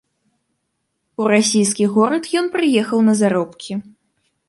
У расійскі горад ён прыехаў на заробкі.